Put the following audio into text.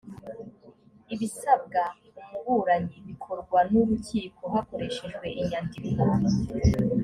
ibisabwa umuburanyi bikorwa n’urukiko hakoreshejwe inyandiko